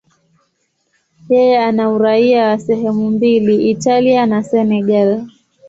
Yeye ana uraia wa sehemu mbili, Italia na Senegal.